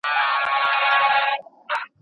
پرمختیا د ژوند په ټولو اړخونو کي راځي.